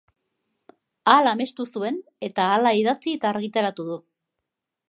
Hala amestu zuen eta hala idatzi eta argitaratu du.